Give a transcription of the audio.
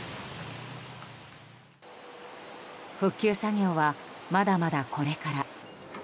復旧作業は、まだまだこれから。